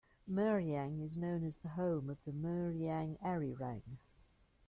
Miryang is known as the home of the Miryang arirang.